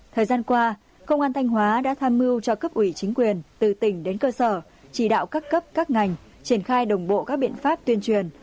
thời gian qua công an thanh hóa đã tham mưu cho cấp ủy chính quyền từ tỉnh đến cơ sở chỉ đạo các cấp các ngành triển khai đồng bộ các biện pháp tuyên truyền